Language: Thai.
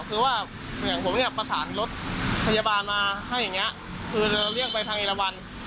คือว่าอย่างผมเนี่ยประสานรถพยาบาลมาให้อย่างนี้คือเรียกไปทางเอราวัน